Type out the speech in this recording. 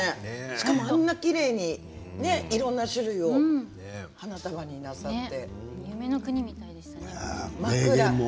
しかも、あんなきれいにいろんな種類を花束になさって。